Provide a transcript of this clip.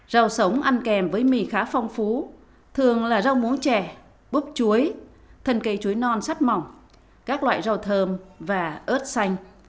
rau sống ăn kèm với mì khá phong phú thường là rau muống trẻ búp chuối thân cây chuối non sắt mỏng các loại rau thơm và ớt xanh